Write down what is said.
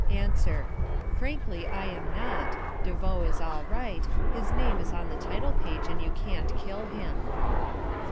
Answer. Frankly, I am not. De Vaux is all right. His name is on the title page, and you can't kill him.